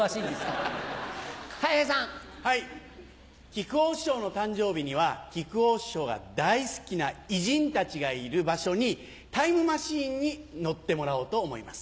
木久扇師匠の誕生日には木久扇師匠が大好きな偉人たちがいる場所にタイムマシンに乗ってもらおうと思います。